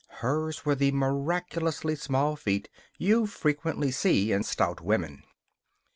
Hers were the miraculously small feet you frequently see in stout women.